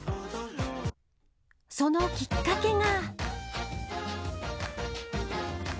そのきっかけが。